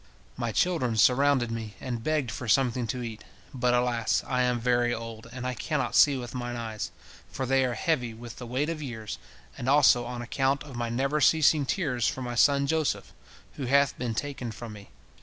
My children surrounded me, and begged for something to eat, but, alas, I am very old, and I cannot see with mine eyes, for they are heavy with the weight of years, and also on account of my never ceasing tears for my son Joseph, who hath been taken from me.